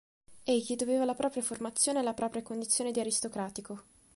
Egli doveva la propria formazione alla propria condizione di aristocratico.